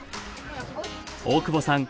大久保さん